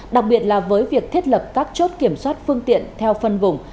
đặc biệt là với việc thiết lập các chốt kiểm soát phương tiện theo phân vùng